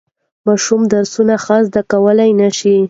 ماشوم درسونه ښه زده کولای نشي.